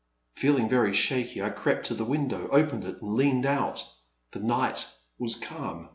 Feeling very shaky, I crept to the window, opened it, and leaned out. The night was calm.